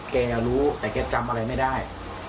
แกรู้แต่แกจำอะไรไม่ได้